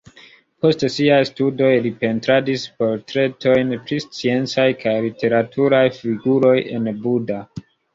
Post siaj studoj li pentradis portretojn pri sciencaj kaj literaturaj figuroj en Buda.